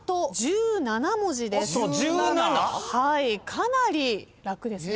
かなり楽ですね。